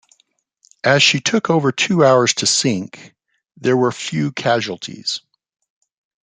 As she took over two hours to sink, there were few casualties.